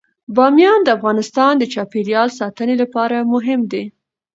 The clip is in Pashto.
بامیان د افغانستان د چاپیریال ساتنې لپاره مهم دي.